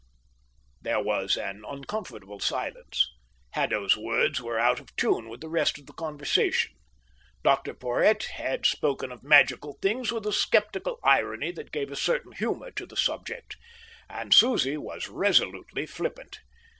There was an uncomfortable silence. Haddo's words were out of tune with the rest of the conversation. Dr Porhoët had spoken of magical things with a sceptical irony that gave a certain humour to the subject, and Susie was resolutely flippant.